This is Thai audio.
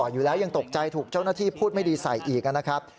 อยู่แล้วยังตกใจถูกเจ้าหน้าที่พูดไม่ดีใส่อีกนะครับ